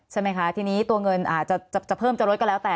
ใช่ไหมคะทีนี้ตัวเงินอาจจะเพิ่มจะลดก็แล้วแต่